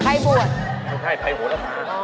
ใช่ไพ่โหลภา